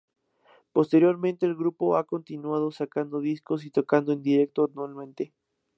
Posteriormente, el grupo ha continuado sacando discos y tocando en directo anualmente.